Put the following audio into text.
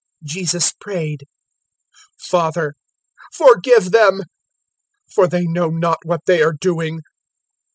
023:034 Jesus prayed, "Father, forgive them, for they know not what they are doing."